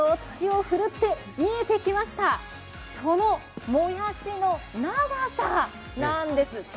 土を振るって見えてきました、そのもやしの長さなんです。